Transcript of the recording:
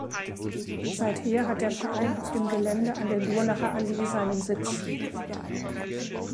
Seither hat der Verein auf dem Gelände an der Durlacher Allee seinen Sitz.